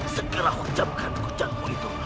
segera hujamkan kucangmu itu